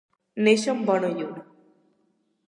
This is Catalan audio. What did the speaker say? Néixer amb bona lluna.